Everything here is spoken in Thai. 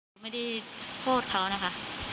อย่างนี้ไม่ได้โทษเขานะคะ